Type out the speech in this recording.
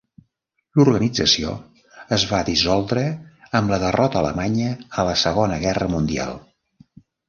L'organització es va dissoldre amb la derrota alemanya a la Segona Guerra Mundial.